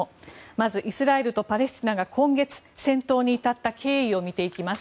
まずイスラムとパレスチナが今月、戦闘に至った経緯を見ていきます。